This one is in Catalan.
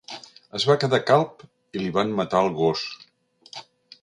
Es va quedar calb i li van matar el gos.